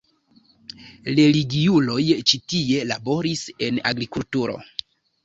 Religiuloj ĉi tie laboris en agrikulturo.